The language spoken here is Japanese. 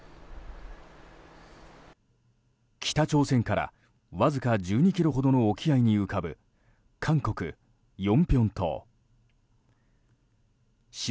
北朝鮮からわずか１２ｋｍほどの沖合に浮かぶ韓国、ヨンピョン島。